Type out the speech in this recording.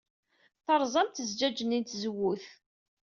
Terẓamt zzjaj-nni n tzewwut.